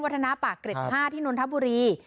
วัฒนาป่าเกร็ดผ้าที่น้นทับบุรี